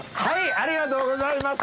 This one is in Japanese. ありがとうございます。